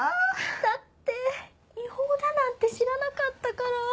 だって違法だなんて知らなかったから。